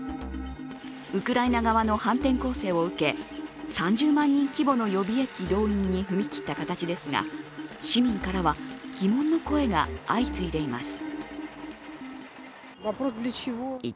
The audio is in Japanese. ウクライナ側の反転攻勢を受け３０万人規模の予備役動員に踏み切った形ですが市民からは疑問の声が相次いでいます。